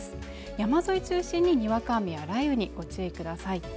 山沿い中心ににわか雨や雷雨にご注意ください